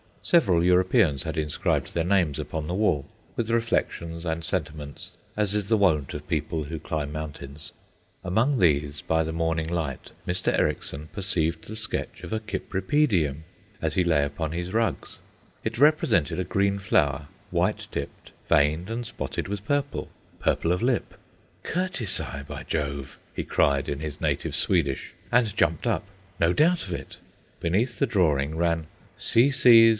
Several Europeans had inscribed their names upon the wall, with reflections and sentiments, as is the wont of people who climb mountains. Among these, by the morning light, Mr. Ericksson perceived the sketch of a Cypripedium, as he lay upon his rugs. It represented a green flower, white tipped, veined and spotted with purple, purple of lip. "Curtisi, by Jove!" he cried, in his native Swedish, and jumped up. No doubt of it! Beneath the drawing ran: "C.C.'